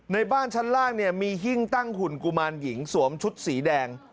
ในบ้านชั้นล่างเนี่ยมีหิ้งตั้งหุ่นกุมารหญิงสวมชุดสีแดง